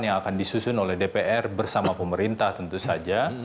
yang akan disusun oleh dpr bersama pemerintah tentu saja